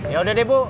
ya udah deh bu